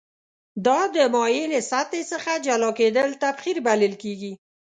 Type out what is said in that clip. دا د مایع له سطحې څخه جلا کیدل تبخیر بلل کیږي.